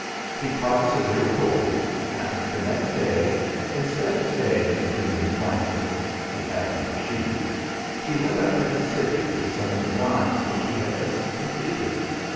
He caught a severe cold, and the next day, instead of staying between his blankets (he had no sheets), he went up to the City with some designs which he had just completed.